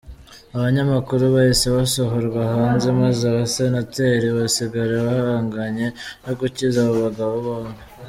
Abanyamakuru bahise basohorwa hanze, maze abasenateri basigara bahanganye no gukiza abo bagabo bombi.